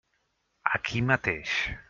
Aquí mateix.